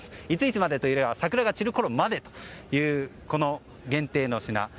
いついつまでというのは桜が散るころまでというこの限定の品。